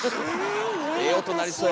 ええ音鳴りそうよ。